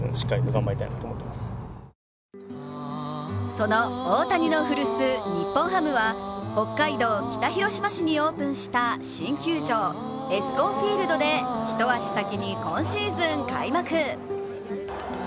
その大谷の古巣、日本ハムは北海道北広島市にオープンした新球場、ＥＳＣＯＮＦＩＥＬＤで一足先に、今シーズン開幕。